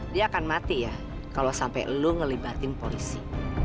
dia akan mati ya kalau sampai lu ngelibatin polisi